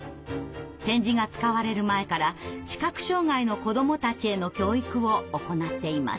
点字が使われる前から視覚障害の子どもたちへの教育を行っていました。